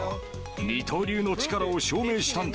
二刀流の力を証明したんだ。